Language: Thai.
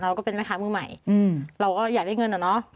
เราก็เป็นแม่ค้ามือใหม่เราก็อยากได้เงินอะเนาะ